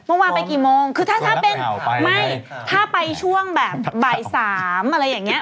เมื่อวานไปกี่โมงคือถ้าถ้าเป็นไม่ถ้าไปช่วงแบบบ่าย๓อะไรอย่างนี้